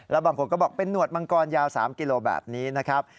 แล้วบางคนก็บอกเป็นหวดมังกรยาว๓กิโลแบบนี้นะครับ